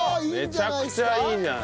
めちゃくちゃいいじゃない。